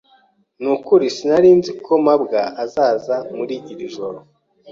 Nukuri sinari nzi ko mabwa azaza muri iri joro.